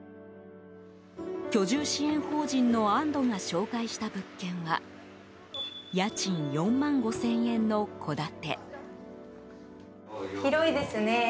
居住支援法人のあんどが紹介した物件は家賃４万５０００円の戸建。